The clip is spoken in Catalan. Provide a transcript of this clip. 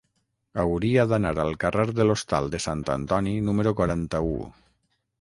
Hauria d'anar al carrer de l'Hostal de Sant Antoni número quaranta-u.